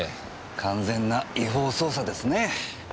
完全な違法捜査ですね。